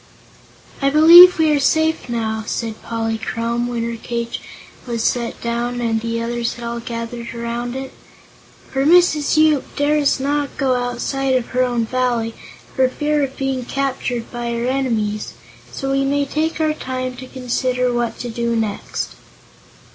"I believe we are safe, now," said Polychrome, when her cage was set down and the others had all gathered around it, "for Mrs. Yoop dares not go outside of her own Valley, for fear of being captured by her enemies. So we may take our time to consider what to do next."